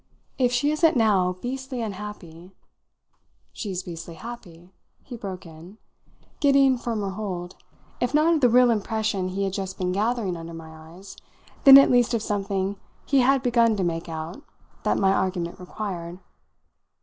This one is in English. "If she isn't now beastly unhappy " "She's beastly happy?" he broke in, getting firmer hold, if not of the real impression he had just been gathering under my eyes, then at least of something he had begun to make out that my argument required.